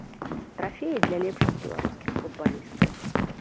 Трафеі для лепшых беларускіх футбалістаў.